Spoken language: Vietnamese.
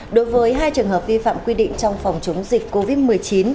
đối với hai trường hợp vi phạm quy định trong phòng chống dịch covid một mươi chín